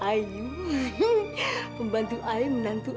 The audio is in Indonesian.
kamu adalah pembantu dan menantuku